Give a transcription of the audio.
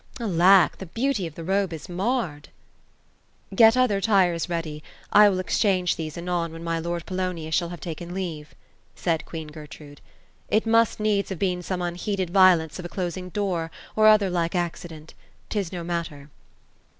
Alack I the beauty of the robe is marred !"'^ Get other tires, ready. I will change these anon, when my lord Polonius shall have taken leave " said queen Gertrude. ^' It must needy have been some unheeded violence of a closing door, or other like acci dent. 'Tis no matter."